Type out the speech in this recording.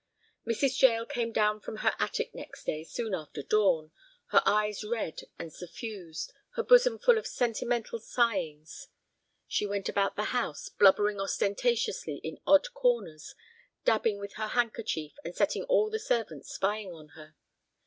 Mrs. Jael came down from her attic next day soon after dawn, her eyes red and suffused, her bosom full of sentimental sighings. She went about the house, blubbering ostentatiously in odd corners, dabbing with her handkerchief, and setting all the servants spying on her.